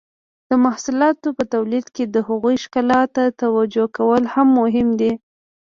د محصولاتو په تولید کې د هغوی ښکلا ته توجو کول هم مهم دي.